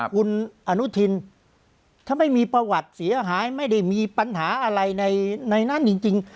คุณอนุทินถ้าไม่มีประวัติเสียหายไม่ได้มีปัญหาอะไรในนั้นจริง